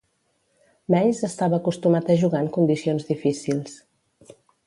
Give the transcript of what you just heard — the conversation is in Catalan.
Mays estava acostumat a jugar en condicions difícils.